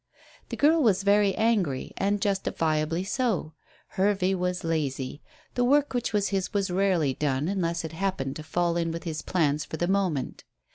The girl was very angry, and justifiably so. Hervey was lazy. The work which was his was rarely done unless it happened to fall in with his plans for the moment.